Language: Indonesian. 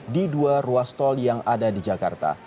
di dua ruas tol yang ada di jakarta